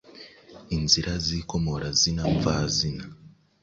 Inzira z'ikomorazina mvazina